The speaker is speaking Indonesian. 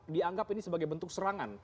dianggap ini sebagai bentuk serangan